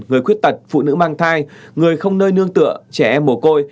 người khuyết tật phụ nữ mang thai người không nơi nương tựa trẻ em mồ côi